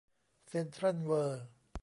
เซ็นทรัลเวิลด์